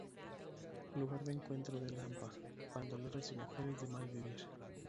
Lugar de encuentro del hampa, bandoleros y mujeres de mal vivir.